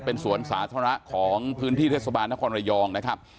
เป็นสวนสาธารณะของพื้นที่เทศบาลนครระยองนะครับ